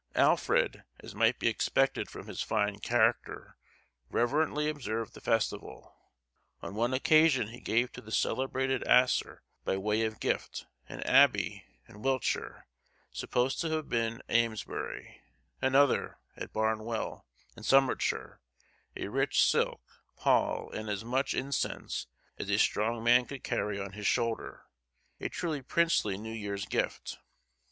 Alfred, as might be expected from his fine character, reverently observed the festival. On one occasion he gave to the celebrated Asser, by way of gift, an abbey, in Wiltshire, supposed to have been Amesbury; another, at Barnwell, in Somersetshire; a rich silk pall, and as much incense as a strong man could carry on his shoulder,—a truly princely New Year's gift.